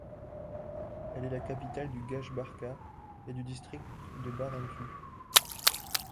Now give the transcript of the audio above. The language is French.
Elle est la capitale du Gash-Barka et du district de Barentu.